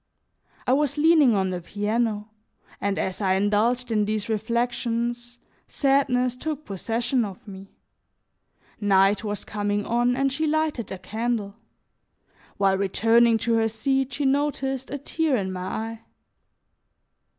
I was leaning on the piano, and, as I indulged in these reflections, sadness took possession of me. Night was coming on and she lighted a candle; while returning to her seat she noticed a tear in my eye.